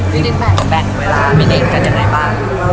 อืมจะแบ่งเวลาจะแบ่งเวลาไม่ได้กันอย่างไรบ้าง